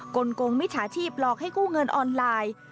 ลงมิจฉาชีพหลอกให้กู้เงินออนไลน์